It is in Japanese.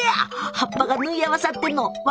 葉っぱが縫い合わさってんの分かります？